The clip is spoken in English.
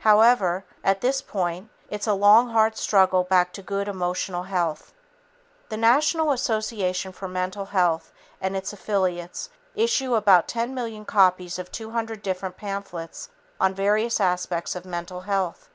However, at this point it's a long hard struggle back to good emotional health. The National Association for Mental Health and its affiliates issue about 10 million copies of 200 different pamphlets on various aspects of mental health.